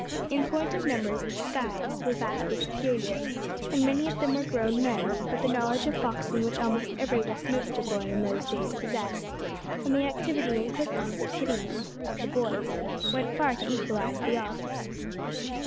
In point of numbers the "skies" were vastly superior, and many of them were grown men; but the knowledge of boxing which almost every Westminster boy in those days possessed, and the activity and quickness of hitting of the boys, went far to equalise the odds.